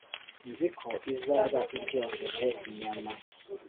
nzi ko izaba iryoheje inyama!”